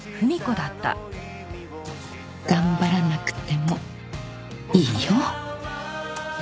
「頑張らなくてもいいよ」